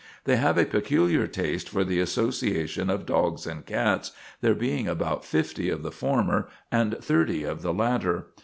They have a peculiar taste for the association of dogs and cats, there being about 50 of the former and 30 of the latter.